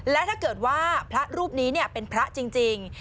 และถ้าเกิดว่าพระรูปนี้เป็นพระจริง